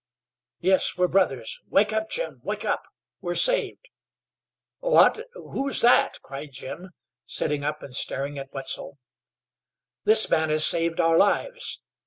"Yes, we're brothers. Wake up, Jim, wake up! We're saved!" "What? Who's that?" cried Jim, sitting up and staring at Wetzel. "This man has saved our lives!